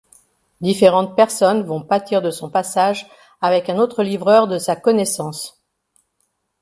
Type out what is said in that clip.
Différentes personnes vont pâtir de son passage avec un autre livreur de sa connaissance.